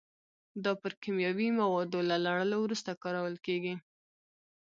دا پر کیمیاوي موادو له لړلو وروسته کارول کېږي.